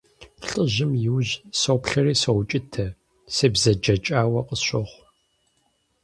ЛӀыжьым и ужь соплъэри соукӀытэ, себзэджэкӀауэ къысщохъу.